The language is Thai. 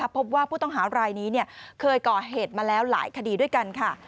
พบว่าผู้ต้องหารายนี้เคยก่อเหตุมาแล้วหลายคดีด้วยกันค่ะ